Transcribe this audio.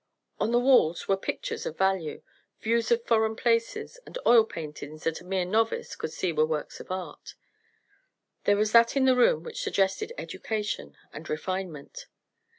On the walls were pictures of value, views of foreign places, and oil paintings that a mere novice could see were works of art. There was that in the room which suggested education and refinement.